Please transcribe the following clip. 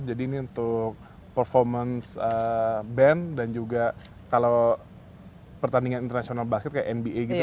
jadi ini untuk performance band dan juga kalau pertandingan internasional basket kayak nba gitu kan